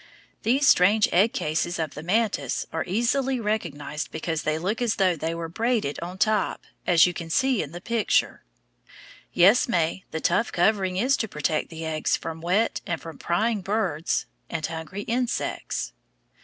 These strange egg cases of the mantis are easily recognized because they look as though they were braided on top, as you can see in the picture. Yes, May, the tough covering is to protect the eggs from wet and from prying birds and hungry insects.